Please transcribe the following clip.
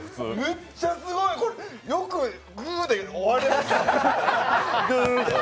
むっちゃすごい、よくぐーで終われましたね。